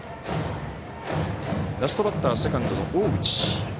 ラストバッターセカンドの大内。